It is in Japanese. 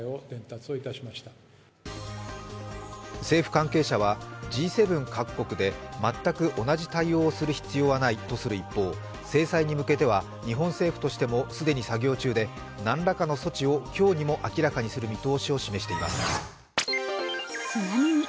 政府関係者はＧ７各国で全く同じ対応をする必要はないとする一方、制裁に向けては日本政府としても既に作業中で何らかの措置を今日にも明らかにする見通しを示しています。